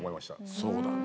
そうだね。